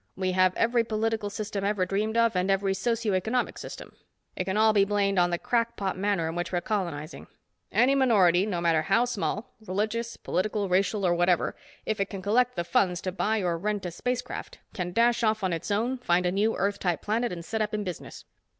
We have every political system ever dreamed of, and every socio economic system. It can all be blamed on the crack pot manner in which we're colonizing. Any minority, no matter how small—religious, political, racial, or whatever—if it can collect the funds to buy or rent a spacecraft, can dash off on its own, find a new Earth type planet and set up in business.